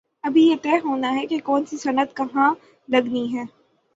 ابھی یہ طے ہو نا ہے کہ کون سی صنعت کہاں لگنی ہے۔